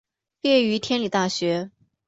毕业于天理大学。